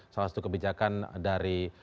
salah satu kebijakan dari